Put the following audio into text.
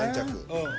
うん。